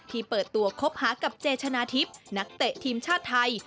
เปิดตัวคบหากับเจชนะทิพย์นักเตะทีมชาติไทย